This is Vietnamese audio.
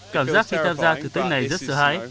cảm giác khi tham gia thử thách này rất sợ hãi